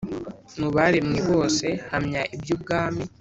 mu baremwe bose Hamya iby Ubwami